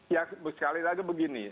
ya sekali lagi begini